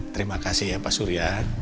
terima kasih ya pak surya